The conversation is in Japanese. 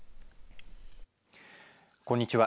こんにちは。